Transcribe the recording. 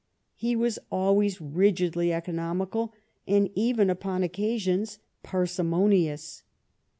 He was always rigidly economical, and even upon occasions parsimonious.